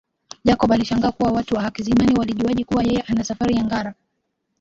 Jacob alishangaa kuwa watu wa Hakizimana walijuaje kuwa yeye ana safari ya Ngara